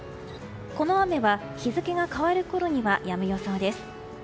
この雨は日付が変わるころにはやむ予想です。